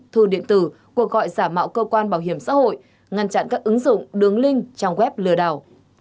thư điện tử cuộc gọi giả mạo cơ quan bảo hiểm xã hội ngăn chặn các ứng dụng đường link trang web lừa đảo